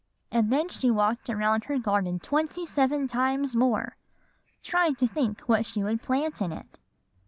And then she walked around her garden twenty seven times more, trying to think what she would plant in it."